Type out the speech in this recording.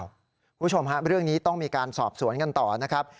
คุณผู้ชมฮะเรื่องนี้ต้องมีการสอบสวนกันต่อนะครับ